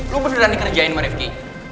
lo beneran dikerjain sama rifqi